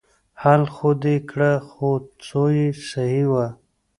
حل خو دې کړه خو څو يې صيي وه.